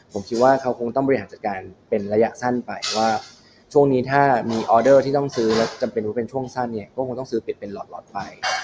ผมคิดว่าเขาคงต้องบริหารจัดการเป็นระยะสั้นไปว่าช่วงนี้ถ้ามีออเดอร์ที่ต้องซื้อแล้วจำเป็นว่าเป็นช่วงสั้นเนี่ยก็คงต้องซื้อเป็ดเป็นหลอดไฟ